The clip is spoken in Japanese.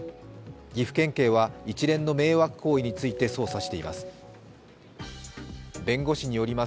岐阜県警は一連の迷惑行為について捜査しています。